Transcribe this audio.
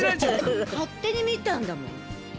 勝手に見たんだもん。